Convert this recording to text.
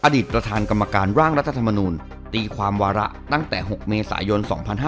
ประธานกรรมการร่างรัฐธรรมนูลตีความวาระตั้งแต่๖เมษายน๒๕๕๙